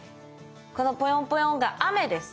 このポヨンポヨンが雨です。